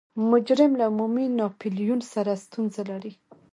مجرم له عمومي ناپلیون سره ستونزه نلري.